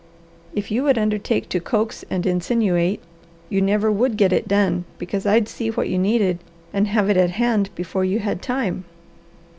If you would undertake to coax and insinuate, you never would get it done, because I'd see what you needed and have it at hand before you had time."